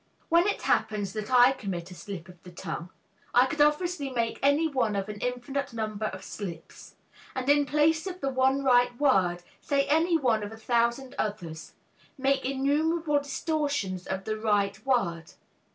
When it happens that I commit a slip of the tongue, I could obviously make any one of an infinite number of slips, and in place of the one right word say any one of a thousand others, make innumerable distortions of the right word.